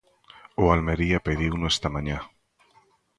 O Almería pediuno esta mañá.